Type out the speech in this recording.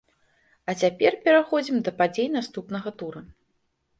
А цяпер пераходзім да падзей наступнага тура!